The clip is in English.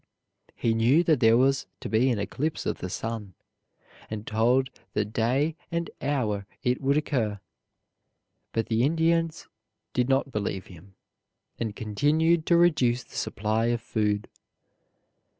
He knew that there was to be an eclipse of the sun, and told the day and hour it would occur, but the Indians did not believe him, and continued to reduce the supply of food.